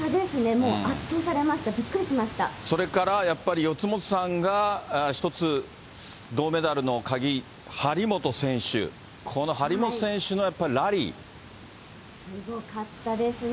もう圧倒されました、びっくりしそれからやっぱり、四元さんが一つ、銅メダルの鍵、張本選手、すごかったですね。